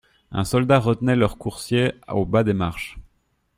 Un soldat retenait leurs coursiers au bas des marches.